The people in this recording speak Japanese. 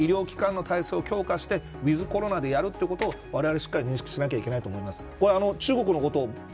医療機関の体制を強化してウィズコロナでやるということをわれわれはしっかり認識しないといけないと思います。